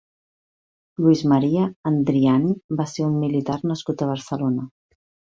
Luis María Andriani va ser un militar nascut a Barcelona.